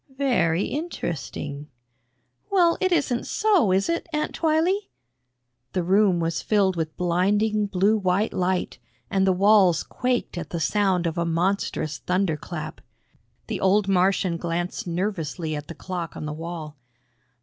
"Very interesting." "Well, it isn't so, is it, Aunt Twylee?" The room was filled with blinding blue white light, and the walls quaked at the sound of a monstrous thunderclap. The old Martian glanced nervously at the clock on the wall.